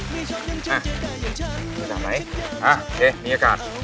ไม่จำไหนอ่ะโอเคมีอากาศ